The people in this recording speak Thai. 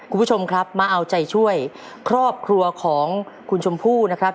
คุณผู้ชมครับมาเอาใจช่วยครอบครัวของคุณชมพู่นะครับ